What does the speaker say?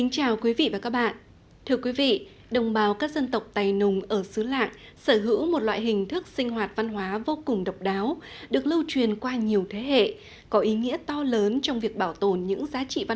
chào mừng quý vị đến với bộ phim hãy nhớ like share và đăng ký kênh của chúng mình nhé